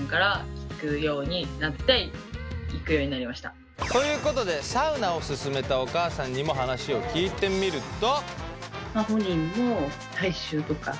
今ブームだもんね。ということでサウナを勧めたお母さんにも話を聞いてみると。